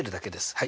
はい。